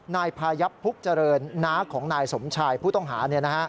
นายพายับพุกเจริญน้าของนายสมชายผู้ต้องหา